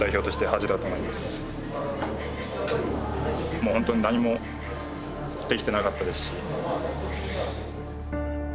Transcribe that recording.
もう本当に何もできてなかったですし。